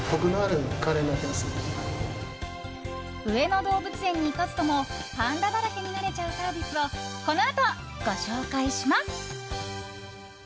上野動物園に行かずともパンダだらけになれちゃうサービスをこのあとご紹介します。